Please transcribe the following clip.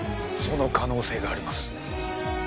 その可能性があります。